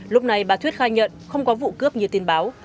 lúc này bà thuyết khai nhận không có vụ cướp như tin báo